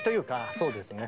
そうですね。